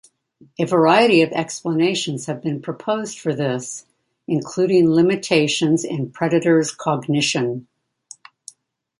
A variety of explanations have been proposed for this, including limitations in predators' cognition.